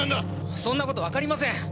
そんな事わかりません！